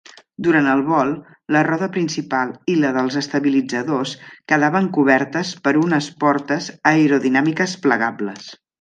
Durant el vol, la roda principal i la dels estabilitzadors quedaven cobertes per unes portes aerodinàmiques plegables.